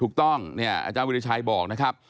ถูกต้องเนี่ยอาจารย์วิริชัยบอกนะครับ